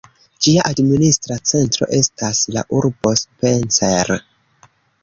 Ĝia administra centro estas la urbo Spencer.